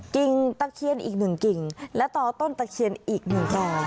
กิ่งตะเขียนอีกหนึ่งกิ่งแล้วต่อต้นตะเขียนอีกหนึ่งต่อ